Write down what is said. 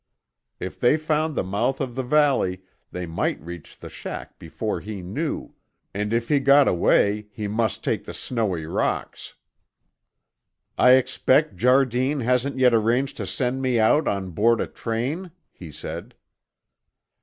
If they found the mouth of the valley, they might reach the shack before he knew, and if he got away, he must take the snowy rocks. "I expect Jardine hasn't yet arranged to send me out on board a train?" he said.